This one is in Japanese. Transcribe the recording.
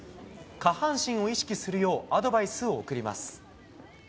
下半身を意識するようアドバイスを送ります。